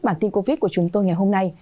bản tin covid của chúng tôi ngày hôm nay